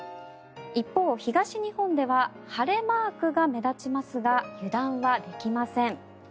一方、東日本では晴れマークが目立ちますが油断はできません。